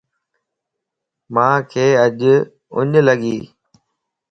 مانک اڃ لڳي